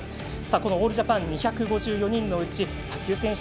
このオールジャパン２５２人のうち卓球選手